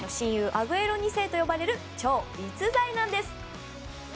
アグエロ２世と呼ばれる超逸材なんです。